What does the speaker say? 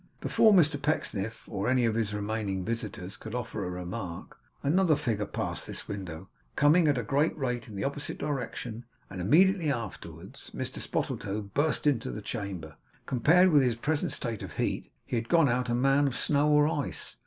Before Mr Pecksniff or any of his remaining visitors could offer a remark, another figure passed this window, coming, at a great rate in the opposite direction; and immediately afterwards, Mr Spottletoe burst into the chamber. Compared with his present state of heat, he had gone out a man of snow or ice.